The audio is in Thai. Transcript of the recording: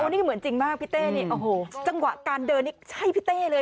นี่เหมือนจริงมากพี่เต้นี่โอ้โหจังหวะการเดินนี่ใช่พี่เต้เลย